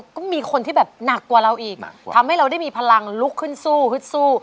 ก็มีคนที่แบบหนักกว่าเราอีกทำให้เราได้มีพลังลุกขึ้นสู้ฮึดสู้